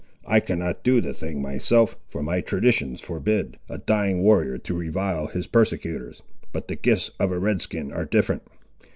I cannot do the thing myself, for my traditions forbid a dying warrior to revile his persecutors, but the gifts of a Red skin are different.